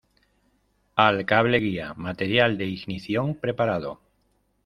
Al cable guía. Material de ignición preparado .